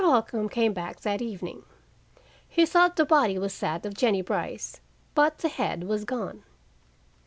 Holcombe came back that evening. He thought the body was that of Jennie Brice, but the head was gone.